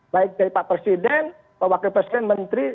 baik dari pak presiden pembangunan presiden menteri